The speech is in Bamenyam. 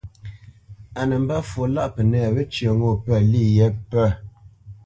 A nə́ mbə́ fwo lâʼ Pənɛ̂ wə́cyə ŋo pə̂ lî yé pə̂.